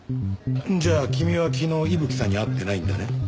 じゃあ君は昨日伊吹さんに会ってないんだね？